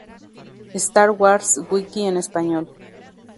Star Wars Wiki en español